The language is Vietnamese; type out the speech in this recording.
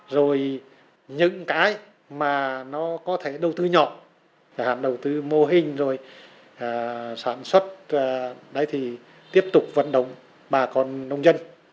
rồi những cái mà nó có thể đầu tư nhỏ đầu tư mô hình rồi sản xuất tiếp tục vận động bà con nông dân